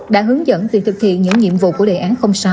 đã hướng dẫn việc thực hiện những nhiệm vụ của đề án sáu